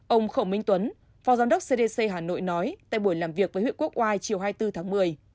ông khổ minh tuấn phó giám đốc cdc hà nội nói tại buổi làm việc với huyện quốc oai chiều hai mươi bốn tháng một mươi